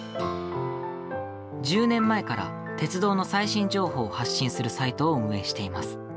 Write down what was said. １０年前から鉄道の最新情報を発信するサイトを運営しています。